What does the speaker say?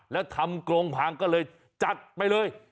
แล้วทำกรงพังก็เลยจัดไปเลย